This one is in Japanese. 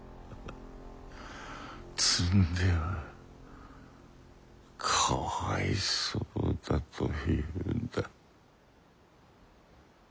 「摘んではかわいそうだ」と言うのだ。